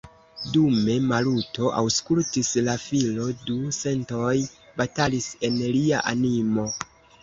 Dume Maluto aŭskultis la filon, du sentoj batalis en lia animo.